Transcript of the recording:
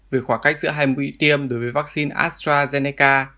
về khoảng cách giữa hai mũi tiêm đối với vaccine astrazeneca